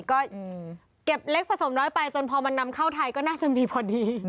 ก็เก็บเล็กผสมน้อยไปจนพอมันนำเข้าไทยก็น่าจะมีพอดี